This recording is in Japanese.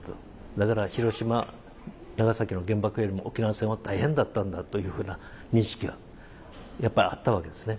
だから広島長崎の原爆よりも沖縄戦は大変だったんだというふうな認識はやっぱりあったわけですね。